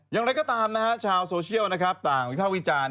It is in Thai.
อย่างไรก็ตามชาวโซเชียลต่างวิทยาวิจารณ์